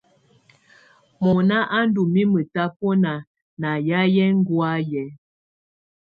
Mɔnà á ndù mimǝ́ tabɔna nà yayɛ̀́á ɛngɔ̀áyɛ̀.